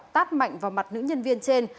tát mạnh vào mặt nữ nhân viên trên